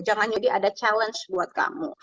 jangan jadi ada challenge buat kamu